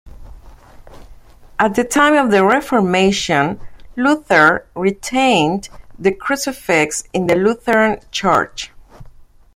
At the time of the Reformation, Luther retained the crucifix in the Lutheran Church.